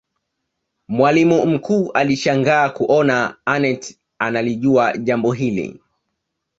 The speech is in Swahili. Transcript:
mwalimu mkuu alishangaa kuona aneth analijua jambo hili